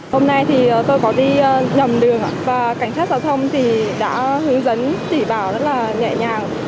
hôm nay thì tôi có đi nhầm đường và cảnh sát giao thông thì đã hướng dẫn tỉ bảo rất là nhẹ nhàng